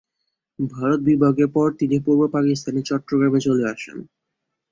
ভারত বিভাগের পর তিনি পূর্ব পাকিস্তানের চট্টগ্রামে চলে আসেন।